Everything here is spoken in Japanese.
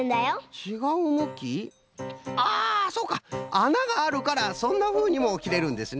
あながあるからそんなふうにもきれるんですね！